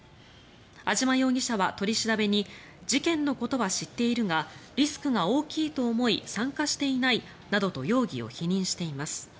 安島容疑者は、取り調べに事件のことは知っているがリスクが大きいと思い参加していないなどと容疑を否認しています。